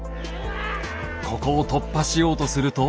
ここを突破しようとすると。